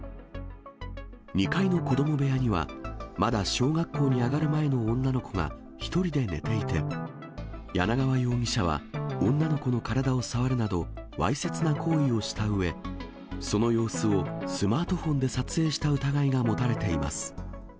２階の子ども部屋には、まだ小学校に上がる前の女の子が１人で寝ていて、柳川容疑者は女の子の体を触るなど、わいせつな行為をしたうえ、その様子をスマートフォンで撮影していた疑いが持たれています。